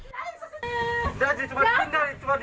jangan cuma dipindah cuma dipindah